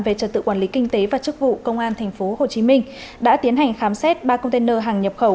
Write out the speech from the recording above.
về trật tự quản lý kinh tế và chức vụ công an tp hcm đã tiến hành khám xét ba container hàng nhập khẩu